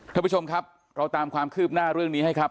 ท่านผู้ชมครับเราตามความคืบหน้าเรื่องนี้ให้ครับ